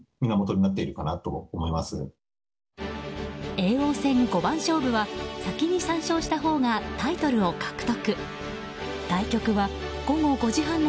叡王戦五番勝負は、先に３勝したほうがタイトルを獲得。